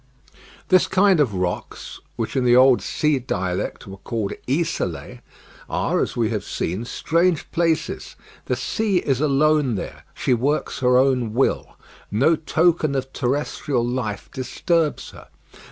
This kind of rocks, which in the old sea dialect were called Isolés, are, as we have said, strange places. The sea is alone there; she works her own will. No token of terrestrial life disturbs her.